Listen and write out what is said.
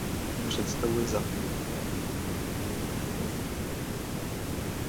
Představuje základní právní předpis německého občanského práva.